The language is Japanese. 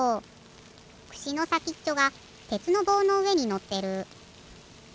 くしのさきっちょがてつのぼうのうえにのってる。